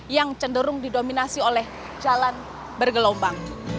yang cenderung didominasi oleh jalan bergelombang